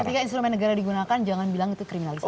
ketika instrumen negara digunakan jangan bilang itu kriminalisasi